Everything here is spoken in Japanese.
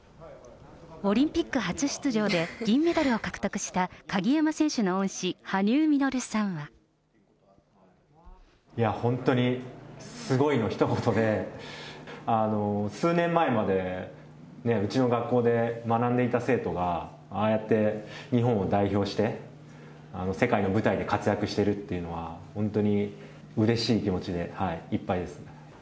オリンピック初出場で銀メダルを獲得した鍵山選手の恩師、いや、本当にすごいのひと言で、数年前までうちの学校で学んでいた生徒が、ああやって日本を代表して世界の舞台で活躍しているっていうのは、本当にうれしい気持ちでいっぱいです。